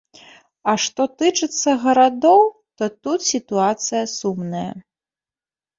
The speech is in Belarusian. А што тычыцца гарадоў, то тут сітуацыя сумная.